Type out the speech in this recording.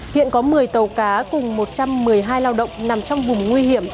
hiện có một mươi tàu cá cùng một trăm một mươi hai lao động nằm trong vùng nguy hiểm